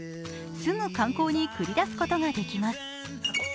すぐ観光に繰り出すことができます。